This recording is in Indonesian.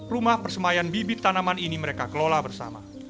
rumah persemayan bibit tanaman ini mereka kelola bersama